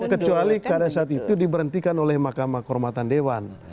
kecuali pada saat itu diberhentikan oleh makamah kormatan dewan